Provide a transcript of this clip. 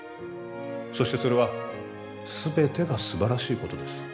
そしてそれはすべてが素晴らしいことです